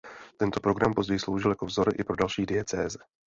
Tento program později sloužil jako vzor i pro další diecéze.